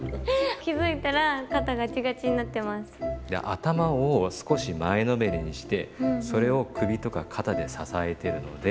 頭を少し前のめりにしてそれを首とか肩で支えてるので。